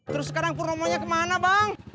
terus sekarang pur ngomongnya kemana bang